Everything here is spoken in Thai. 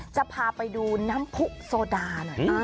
จะพาไปดูน้ำผู้โซดาหน่อย